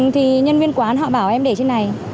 thì nhân viên quán họ bảo em để trên này